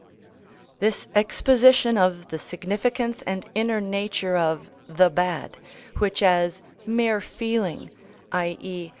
This exposition of the significance and inner nature of the bad, which as mere feeling, _i.e.